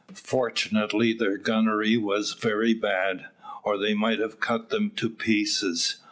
Fortunately their gunnery was very bad, or they might have cut them to pieces.